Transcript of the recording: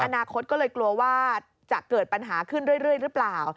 อนาคตก็เลยกลัวว่าจะเกิดปัญหาขึ้นเรื่อยหรือเปล่า